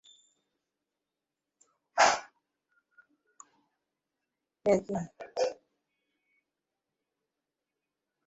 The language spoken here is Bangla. ফলে শ্বাসক্রিয়া চলার সময় ফুসফুসের সঙ্গে বক্ষগাত্রের কোনো ঘর্ষণ লাগে না।